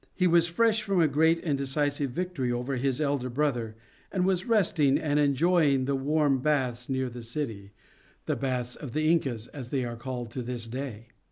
He was fresh from a great and decisive victory over his elder brother, and was resting, and enjoying the warm baths near the city, the "baths of the Incas," as they are called to this day.